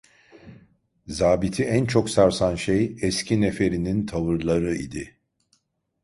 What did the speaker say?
Zabiti en çok sarsan şey, eski neferinin tavırları idi.